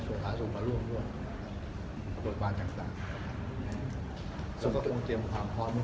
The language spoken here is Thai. ส่วนด้านการข่าวเรื่องการขอบความปลอดภัย